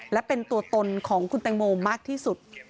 และเป็นตัวตนของคุณแตงโมมากที่สุด